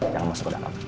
jangan masuk ke dalam